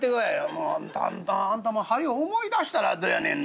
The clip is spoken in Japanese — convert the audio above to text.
もうあなたもはよ思い出したらどやねんな」。